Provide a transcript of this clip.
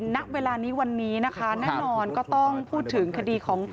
ณเวลานี้วันนี้นะคะแน่นอนก็ต้องพูดถึงคดีของ